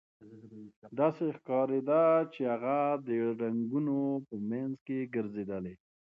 داسې ښکاریده چې هغه د رنګونو په مینځ کې ګرځیدلې